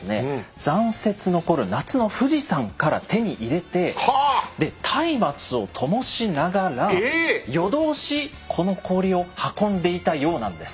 残雪残る夏の富士山から手に入れてでたいまつをともしながら夜通しこの氷を運んでいたようなんです。